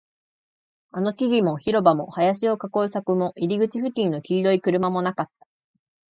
あの木々も、広場も、林を囲う柵も、入り口付近の黄色い車もなかった